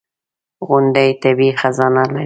• غونډۍ طبیعي خزانه لري.